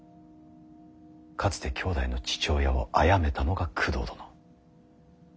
かつて兄弟の父親をあやめたのが工藤殿。